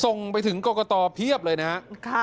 ส่งไปถึงกรกตเพียบเลยนะครับ